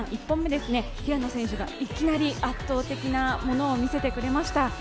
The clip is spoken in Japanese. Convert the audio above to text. １本目ですね、平野選手がいきなり圧倒的なものを見せてくれました。